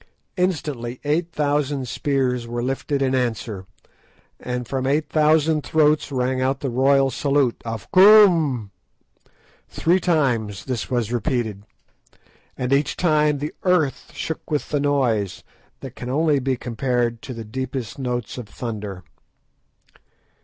Instantly eight thousand spears were lifted in answer, and from eight thousand throats rang out the royal salute of "Koom." Three times this was repeated, and each time the earth shook with the noise, that can only be compared to the deepest notes of thunder.